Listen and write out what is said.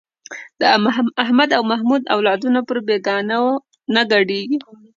د احمد او محمود اولادونه پر بېګانو نه ګډېږي.